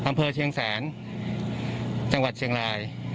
อำเภอเชียงแสนจังหวัดเชียงราย